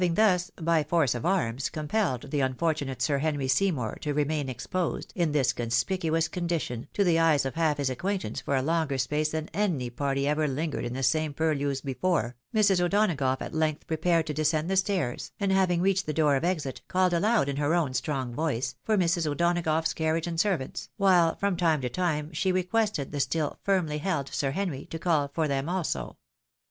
Having thus hy force of arms compelled the unfortunate Sir Henry Seymour to remain exposed, in this conspicuous condition, to the eyes of half his acquaintance for a longer space than any party ever lingered in the same purlieus before, Mrs. O'Donagough at length prepared to descend the stairs, and, having reached the door of exit, called aloud in her own strong voice for Mrs. O'Donagough's carriage and servants, while from time to time she requested the still firmly held Sir Henry to call for them also.